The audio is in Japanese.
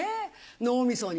脳みそに。